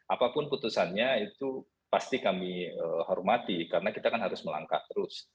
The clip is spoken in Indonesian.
apapun putusannya itu pasti kami hormati karena kita kan harus melangkah terus